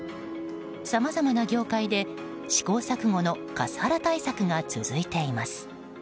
さまざまな業界で試行錯誤のカスハラ対策が続いています。